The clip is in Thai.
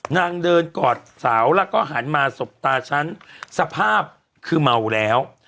นางเดินกอดสาวแล้วก็หันมาสบตาฉันสภาพคือเมาแล้ว